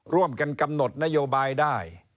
ร่วมกันกำหนดนโยบายได้